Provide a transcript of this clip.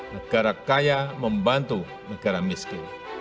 negara kaya membantu negara miskin